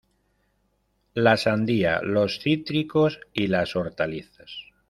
La sandía, los cítricos y las hortalizas.